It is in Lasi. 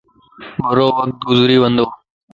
ڀرووقت گذري وندو